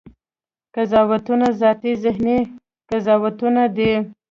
قضاوتونه ذاتي ذهني قضاوتونه دي.